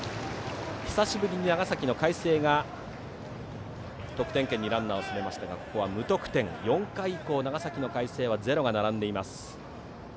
久しぶりに長崎の海星が得点圏にランナーを進めましたがここは無得点で４回以降、長崎・海星はゼロが並んでいます。